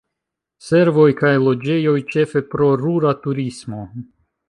Servoj kaj loĝejoj, ĉefe pro rura turismo.